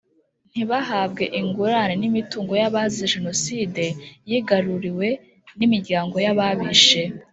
ntibahabwe ingurane n imitungo y abazize Jenoside yigaruriwe n imiryango y ababishe